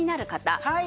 はい！